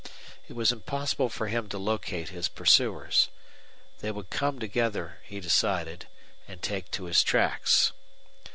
It was impossible for him to locate his pursuers. They would come together, he decided, and take to his tracks.